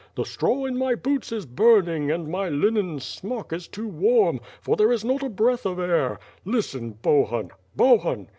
"The straw in my boots is burning, and my linen smock is too warm, for there is not a breath of air. Listen, Bohun, Bohun!"